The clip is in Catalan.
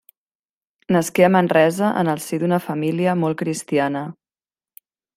Nasqué a Manresa en el si d'una família molt cristiana.